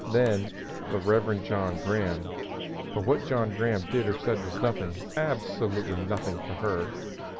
Then, the Reverend John Graham; but what John Graham did or said was nothing absolutely nothing, to her.